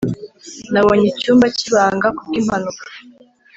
nabonye icyumba cyibanga kubwimpanuka.